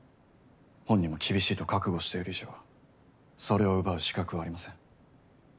本人も厳しいと覚悟している以上それを奪う資格はありません。